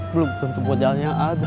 belum tentu modalnya ada